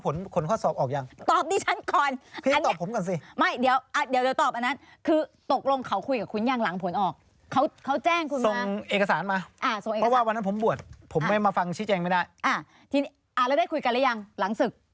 แล้วได้คุยกันแล้วยังหลังศึก